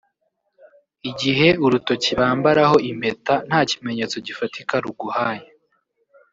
Igihe urutoki bambaraho impeta nta kimenyetso gifatika ruguhaye